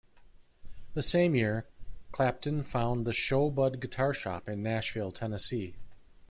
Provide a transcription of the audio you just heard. The same year, Clapton found the Sho-Bud guitar shop in Nashville, Tennessee.